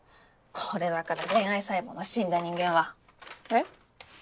これだから恋愛細胞が死んだ人間は。え？